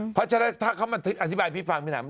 เพราะฉะนั้นถ้าเขามาอธิบายพี่ฟังพี่หนำ